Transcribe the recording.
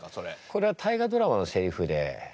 これは大河ドラマのセリフで出てきてた。